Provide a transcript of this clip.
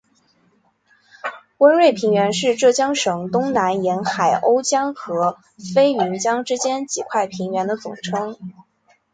温瑞平原是浙江省东南沿海瓯江和飞云江之间几块平原的总称。